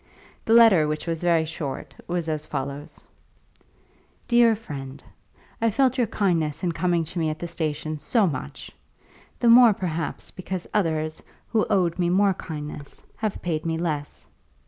The letter, which was very short, was as follows: DEAR FRIEND, I felt your kindness in coming to me at the station so much! the more, perhaps, because others, who owed me more kindness, have paid me less.